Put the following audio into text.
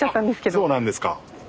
あっそうなんですか。